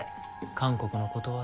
韓国のことわざ。